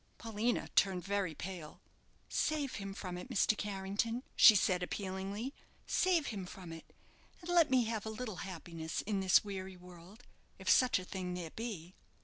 Paulina turned very pale. "Save him from it, Mr. Carrington," she said, appealingly. "Save him from it, and let me have a little happiness in this weary world, if such a thing there be."